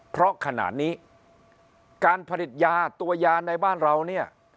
เพราะขณะนี้การผลิตยาตัวยาในบ้านเราเนี่ย